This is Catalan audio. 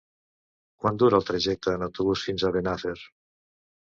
Quant dura el trajecte en autobús fins a Benafer?